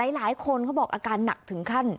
หลายคนเขาบอกอาการหนักถึงขั้น